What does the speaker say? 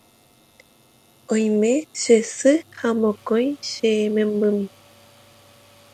Oime che sy ha mokõi che membymi